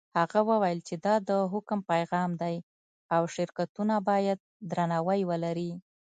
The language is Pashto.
هغه وویل چې دا د حکم پیغام دی او شرکتونه باید درناوی ولري.